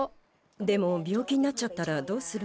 でもびょう気になっちゃったらどうする？